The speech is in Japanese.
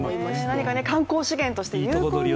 何か観光資源として有効に。